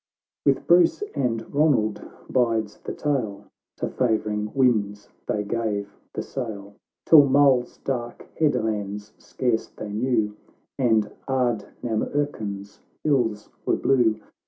XII "With Bruce and Eonald bides the tale. To favouring winds they gave the sail, Till Mull's dark headlands scarce they knew, And Ardnamurchan's hills were blue.